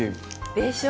でしょ！